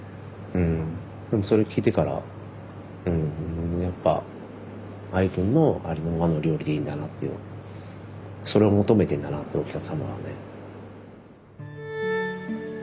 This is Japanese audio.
でもそれを聞いてからやっぱ愛群のありのままの料理でいいんだなっていうのをそれを求めてんだなってお客様はね。